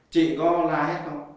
chị có la hét không